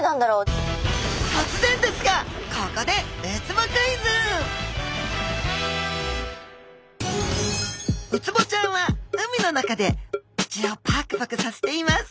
とつぜんですがここでウツボちゃんは海の中で口をパクパクさせています。